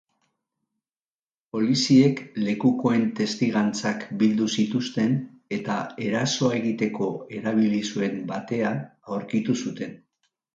Poliziek lekukoen testigantzak bildu zituzten eta erasoa egiteko erabili zuen batea aurkitu zuten.